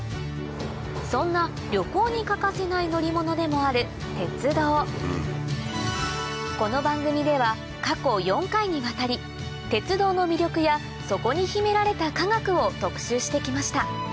そんな旅行に欠かせない乗り物でもある鉄道この番組では過去４回にわたり鉄道の魅力やそこに秘められた科学を特集してきました